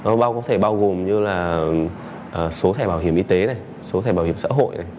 nó có thể bao gồm như là số thẻ bảo hiểm y tế số thẻ bảo hiểm xã hội